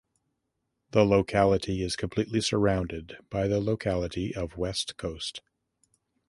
The locality is completely surrounded by the locality of West Coast.